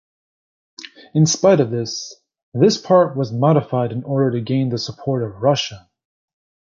In spite of this, this part was modified in order to gain the support of Russia.